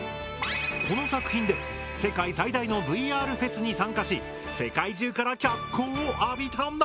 この作品で世界最大のＶＲフェスに参加し世界中から脚光を浴びたんだ！